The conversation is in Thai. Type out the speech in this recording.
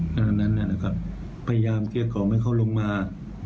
พวกนั้นนะครับพยายามเกียรติกของให้เขาลงมา